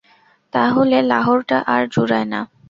তা হলে লাহোরটা আর জুড়ায় না।